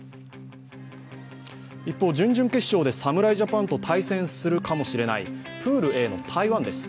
一方、準々決勝で侍ジャパンと対戦するかもしれないプールＡの台湾です。